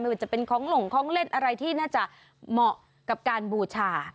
ว่าจะเป็นของหลงของเล่นอะไรที่น่าจะเหมาะกับการบูชา